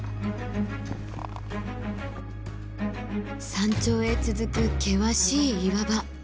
山頂へ続く険しい岩場。